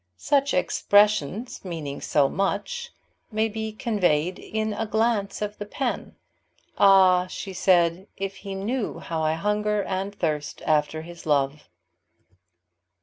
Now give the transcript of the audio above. Such expressions, meaning so much, may be conveyed in a glance of the pen. "Ah," she said, "if he knew how I hunger and thirst after his love!"